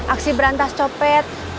aksi berantas copet